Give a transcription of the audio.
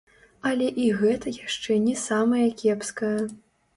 Але і гэта яшчэ не самае кепскае.